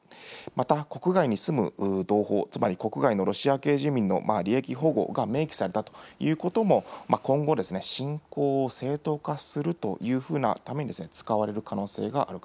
また、国外に住む同胞、つまり国外のロシア系住民の利益保護が明記されたということも、今後、侵攻を正当化するというふうなために使われる可能性がある